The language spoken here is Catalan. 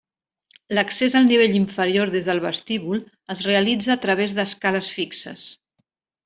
L'accés al nivell inferior des del vestíbul, es realitza a través d'escales fixes.